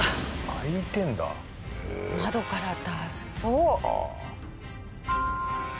窓から脱走。